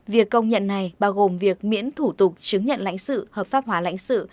việc công nhận này bao gồm việc miễn thủ tục chứng nhận lãnh sự hợp pháp hóa lãnh sự